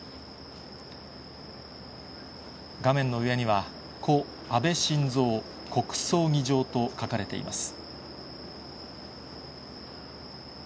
画面の上には、故安倍晋三国葬儀場と書かれています。